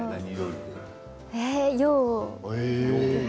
洋。